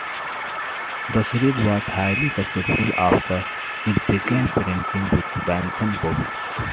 The series was highly successful after it began printing with Bantam Books.